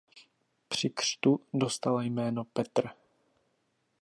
Při křtu dostal jméno Petr.